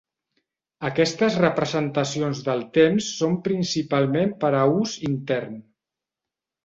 Aquestes representacions del temps són principalment per a ús intern.